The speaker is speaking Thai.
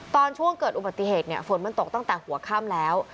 ตอนช่วงเกิดอุบัติเหตุฝนมันตกตั้งแต่หัวค่ำแล้ว